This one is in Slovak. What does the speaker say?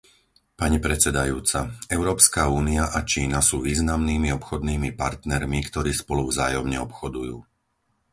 Pani predsedajúca, Európska únia a Čína sú významnými obchodnými partnermi, ktorí spolu vzájomne obchodujú.